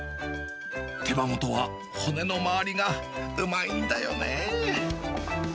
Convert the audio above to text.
手羽元は骨の周りがうまいんだよね。